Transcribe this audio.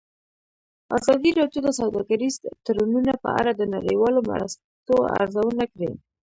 ازادي راډیو د سوداګریز تړونونه په اړه د نړیوالو مرستو ارزونه کړې.